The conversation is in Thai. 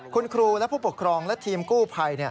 คุณครูและผู้ปกครองและทีมกู้ภัย